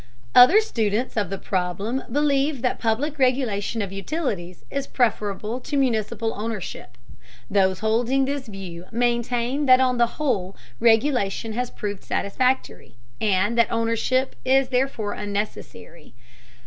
Other students of the problem believe that public regulation of utilities is preferable to municipal ownership. Those holding this view maintain that on the whole regulation has proved satisfactory, and that ownership is therefore unnecessary.